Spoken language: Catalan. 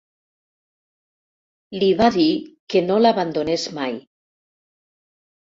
Li va dir que no l'abandonés mai.